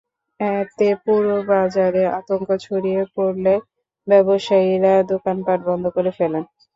এতে পুরো বাজারে আতঙ্ক ছড়িয়ে পড়লে ব্যবসায়ীরা দোকানপাট বন্ধ করে ফেলেন।